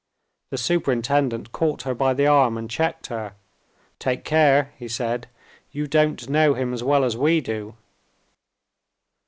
The superintendent caught her by the arm and checked her. "Take care," he said. "You don't know him as well as we do."